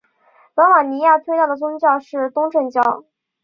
罗马尼亚最大的宗教是东正教。